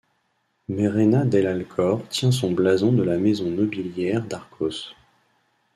Mairena del Alcor tient son blason de la maison nobiliaire d'Arcos.